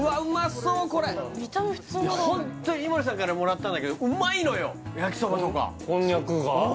そうこれホント井森さんからもらったんだけどうまいのよ焼きそばとかこんにゃくが？